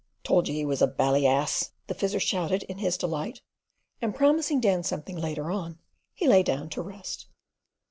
"Told you he was a bally ass," the Fizzer shouted in his delight, and promising Dan something later on, he lay down to rest.